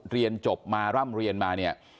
เรียนจบมาร่ำเรียนมาเนี่ย